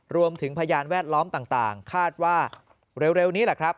พยานแวดล้อมต่างคาดว่าเร็วนี้แหละครับ